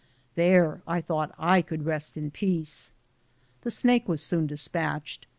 There I thought I could rest in peace. The snake was soon despatched.